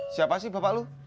siapa sih bapak lu